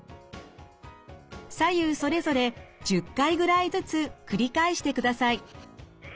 左右それぞれ１０回ぐらいずつ繰り返してください。